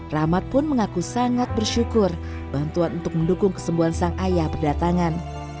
rahmat pun mengaku sangat bersyukur bantuan untuk mendukung kesembuhan sang ayah berdatangan